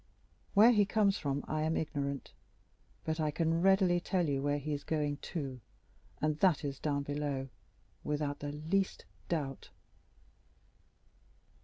"Where he comes from I am ignorant; but I can readily tell you where he is going to, and that is down below, without the least doubt."